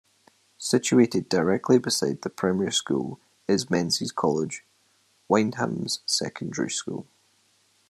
Situated directly beside the primary school is Menzies College, Wyndham's secondary school.